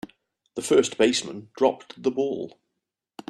The first baseman dropped the ball.